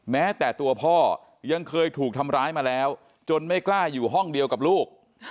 แม้แต่ตัวพ่อยังเคยถูกทำร้ายมาแล้วจนไม่กล้าอยู่ห้องเดียวกับลูก